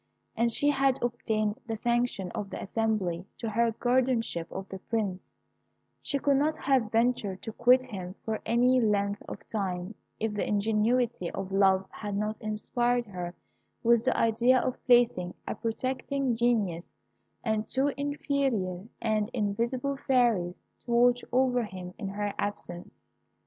As she had obtained the sanction of the assembly to her guardianship of the Prince, she could not have ventured to quit him for any length of time if the ingenuity of love had not inspired her with the idea of placing a protecting genius and two inferior and invisible fairies to watch over him in her absence.